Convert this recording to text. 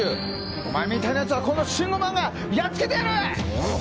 お前みたいなやつはこのシンゴマンがやっつけてやる！